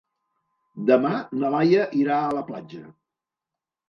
Demà na Laia irà a la platja.